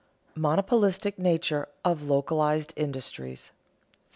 [Sidenote: Monopolistic nature of localized industries] 3.